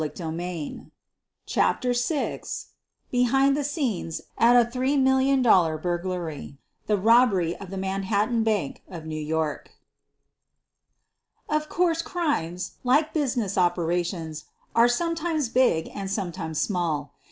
146 SOPHIE LYONS CHAPTER VI BEHIND THE SCENES AT A $3,000,000 BURGLARY THE BOBBERY OF THE MANHATTAN BANK OP NEW YORK Of course, crimes, like business operations, are sometimes big and sometimes small.